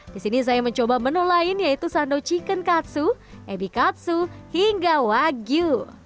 di sini saya mencoba menu lain yaitu sandow chicken katsu ebi katsu hingga wagyu